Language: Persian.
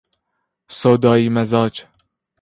سودایی مزاج